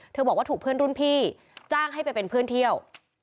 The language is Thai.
บอกว่าถูกเพื่อนรุ่นพี่จ้างให้ไปเป็นเพื่อนเที่ยว